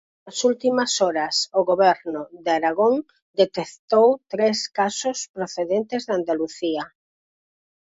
Nas últimas horas o Goberno de Aragón detectou tres casos procedentes de Andalucía.